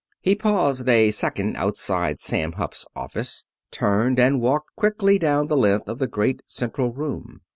He paused a second outside Sam Hupp's office, turned, and walked quickly down the length of the great central room.